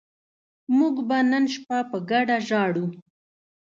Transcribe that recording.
موږ به نن شپه په ګډه ژاړو